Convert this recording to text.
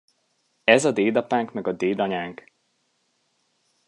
Ez a dédapánk meg a dédanyánk?!